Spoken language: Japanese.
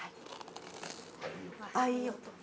◆あっ、いい音。